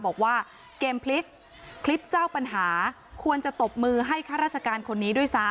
บอกว่าเกมพลิกคลิปเจ้าปัญหาควรจะตบมือให้ข้าราชการคนนี้ด้วยซ้ำ